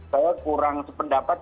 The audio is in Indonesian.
saya kurang sependapat